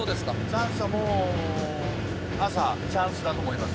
チャンスはもう朝チャンスだと思います。